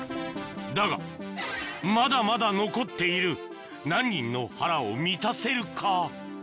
だがまだまだ残っている何人の腹を満たせるか？